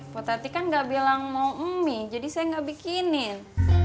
buat ati kan gak bilang mau mie jadi saya gak bikinin